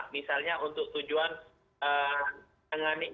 misalnya untuk tujuan